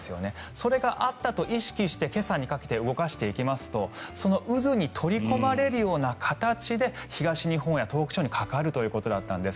それがあったと意識して今朝にかけて動かしていきますとその渦に取り込まれるような形で東日本や東北地方にかかるということだったんです。